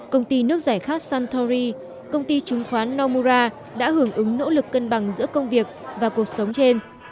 công ty nước giải khát suntory công ty chứng khoán nomura đã hưởng ứng nỗ lực cân bằng giữa công việc và cuộc sống trên